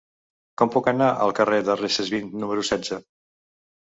Com puc anar al carrer de Recesvint número setze?